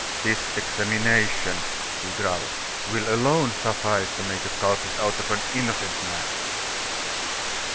"This examination," he growled, "will alone suffice to make a culprit out of an innocent man!"